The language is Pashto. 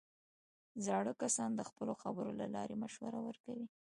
زاړه کسان د خپلو خبرو له لارې مشوره ورکوي